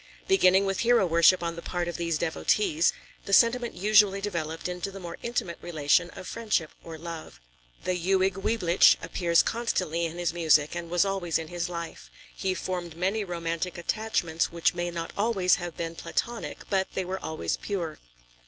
Beginning with hero worship on the part of these devotees, the sentiment usually developed into the more intimate relation of friendship or love. The "Ewig Weibliche" appears constantly in his music and was always in his life. He formed many romantic attachments which may not always have been Platonic, but they were always pure.